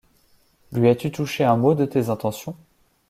Lui as-tu touché un mot de tes intentions ?